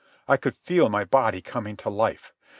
I could feel my body coming to life.